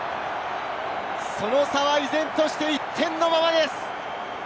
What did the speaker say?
その差は依然として１点のままです。